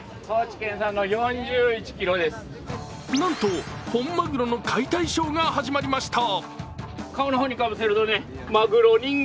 なんと本マグロの解体ショーが始まりました。